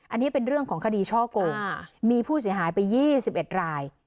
อันนี้เป็นเรื่องของคดีช่อโกงอ่ามีผู้เสียหายไปยี่สิบเอ็ดราย